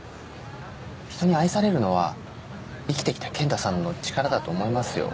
人に愛されるのは生きてきた賢太さんの力だと思いますよ